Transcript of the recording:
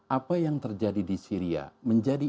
apa yang terjadi di syria menjadi